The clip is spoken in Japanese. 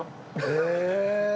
へえ。